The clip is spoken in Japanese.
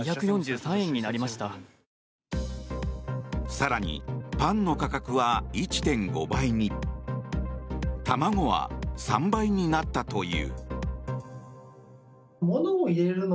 更に、パンの価格は１．５倍に卵は３倍になったという。